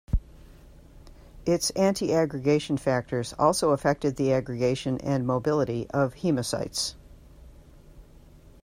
Its antiaggregation factors also affected the aggregation and mobility of haemocytes.